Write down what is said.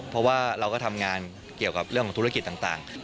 เพราะว่าเราก็ทำงานเกี่ยวกับเรื่องของธุรกิจต่าง